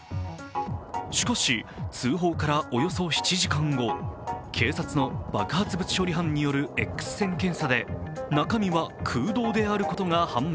しかし、通報からおよそ７時間後警察の爆発物処理班によるＸ線検査で中身は空洞であることが判明。